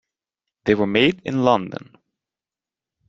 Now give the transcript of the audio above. They were made in London.